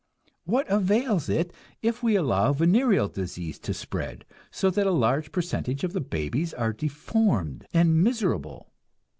What avails it if we allow venereal disease to spread, so that a large percentage of the babies are deformed and miserable?